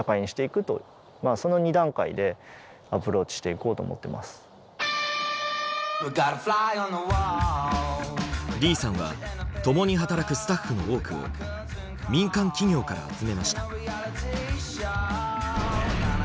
それによって李さんは共に働くスタッフの多くを民間企業から集めました。